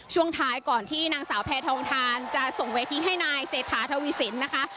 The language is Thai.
ช่วงท้ายก่อนที่นางสาวแพทองทานจะส่งเวทีให้นายเศรษฐาทวีสินนะคะ